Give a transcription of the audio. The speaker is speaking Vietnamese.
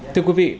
thưa quý vị